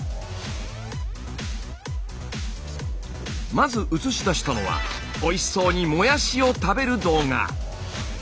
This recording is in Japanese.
まず映し出したのはおいしそうにもやしを食べる動画。